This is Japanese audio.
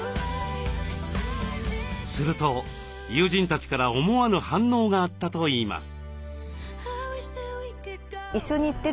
すると友人たちから思わぬ反応があったといいます。